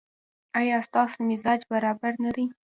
ایا ستاسو مزاج برابر نه دی؟